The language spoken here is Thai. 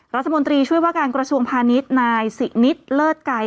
รัฐมนตรีช่วยว่าการกระทรวงพาณิชย์นายสินิตเลิศไก่